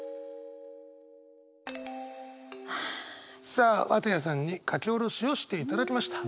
さあ綿矢さんに書き下ろしをしていただきました。